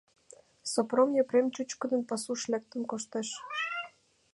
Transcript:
Сопром Епрем чӱчкыдынак пасуш лектын коштеш.